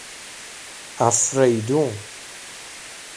افریدون